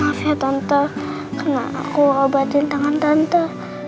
maaf ya tante karena aku ngobatin tangan tante